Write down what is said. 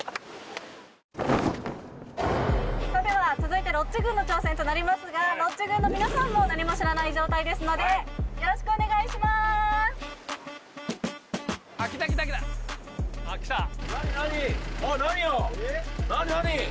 それでは続いてロッチ軍の挑戦となりますがロッチ軍の皆さんも何も知らない状態ですのでよろしくお願いします・あっ来た・何何？